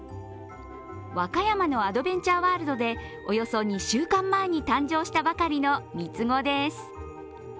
和歌山のアドベンチャーワールドでおよそ２週間前に誕生したばかりの３つ子です。